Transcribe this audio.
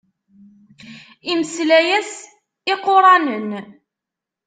Imeslay-as iquṛanen.